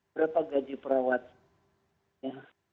berapa gaji perang